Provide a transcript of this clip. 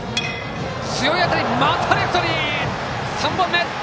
強い当たり、またレフトに！